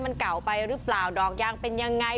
มันเก่าไปหรือเปล่าดอกยางเป็นยังไง